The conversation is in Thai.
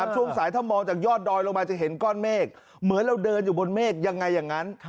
ช่วงสายถ้ามองจากยอดดอยลงมาจะเห็นก้อนเมฆเหมือนเราเดินอยู่บนเมฆยังไงอย่างนั้น